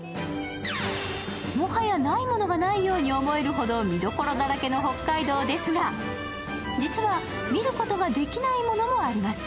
もはやないものがないように思えるほど見どころだらけの北海道ですが、実は、見ることができないものもあります。